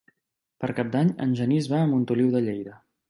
Per Cap d'Any en Genís va a Montoliu de Lleida.